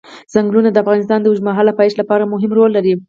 چنګلونه د افغانستان د اوږدمهاله پایښت لپاره مهم رول لري.